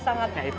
sangatnya itu ya